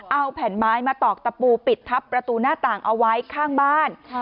เอาแผ่นไม้มาตอกตะปูปิดทับประตูหน้าต่างเอาไว้ข้างบ้าน